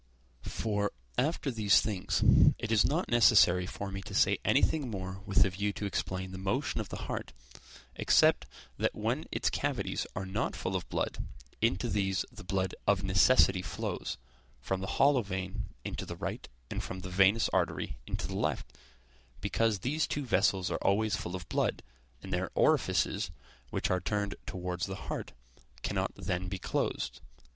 For, after these things, it is not necessary for me to say anything more with a view to explain the motion of the heart, except that when its cavities are not full of blood, into these the blood of necessity flows, from the hollow vein into the right, and from the venous artery into the left; because these two vessels are always full of blood, and their orifices, which are turned towards the heart, cannot then be closed.